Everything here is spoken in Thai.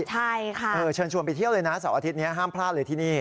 ใช่ค่ะเชิญชวนไปเที่ยวเลยนะเสาร์อาทิตย์นี้ห้ามพลาดเลยที่นี่